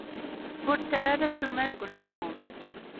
Ur ttarra ara ssuma deg unezgum!